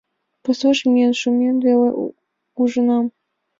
Пасуш миен шумек веле ужынам.